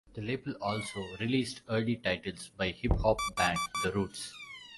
The label also released early titles by hip hop band The Roots.